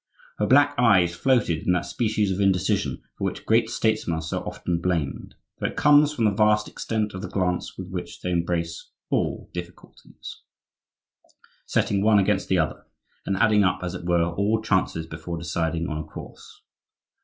Her black eyes floated in that species of indecision for which great statesmen are so often blamed, though it comes from the vast extent of the glance with which they embrace all difficulties,—setting one against the other, and adding up, as it were, all chances before deciding on a course.